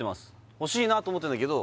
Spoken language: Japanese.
欲しいなと思ってんだけど